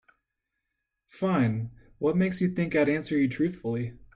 Fine, what makes you think I'd answer you truthfully?